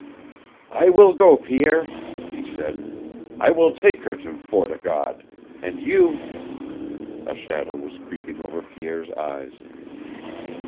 "I will go, Pierre," he said. "I will take her to Fort o' God. And you " A shadow was creeping over Pierre's eyes.